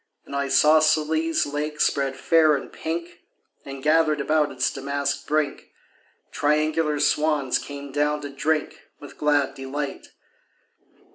An isosceles lake spread fair and pink, And, gathered about its damask brink, Triangular swans came down to drink With glad delight.